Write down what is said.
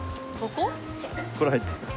これ入って。